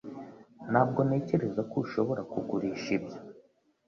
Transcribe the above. Ntabwo ntekereza ko ushobora kugurisha ibyo